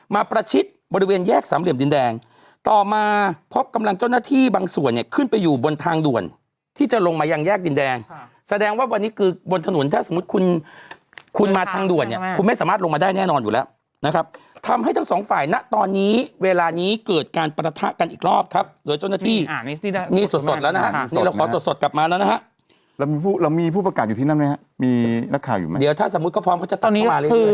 มาประชิดบริเวณแยกสามเหลี่ยมดินแดงต่อมาพบกำลังเจ้าหน้าที่บางส่วนเนี่ยขึ้นไปอยู่บนทางด่วนที่จะลงมายังแยกดินแดงแสดงว่าวันนี้คือบนถนนถ้าสมมุติคุณคุณมาทางด่วนเนี่ยคุณไม่สามารถลงมาได้แน่นอนอยู่แล้วนะครับทำให้ทั้งสองฝ่ายณตอนนี้เวลานี้เกิดการประทะกันอีกรอบครับโดยเจ้าหน้าที่